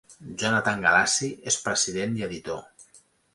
Jonathan Galassi és president i editor.